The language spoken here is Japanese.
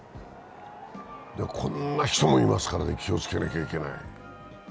こんな人もいますからね、気をつけなきゃいけない。